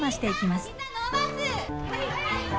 はい！